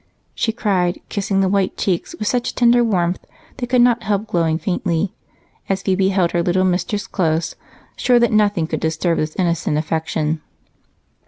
she cried, kissing the white cheeks with such tender warmth they could not help glowing faintly as Phebe held her little mistress close, sure that nothing could disturb this innocent affection.